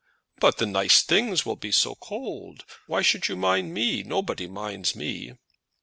"But the nice things will be so cold! Why should you mind me? Nobody minds me."